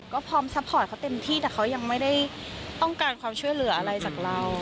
ก็พร้อมซัพพอร์ตเขาเต็มที่แต่เขายังไม่ได้ต้องการความช่วยเหลืออะไรจากเรา